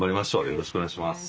よろしくお願いします。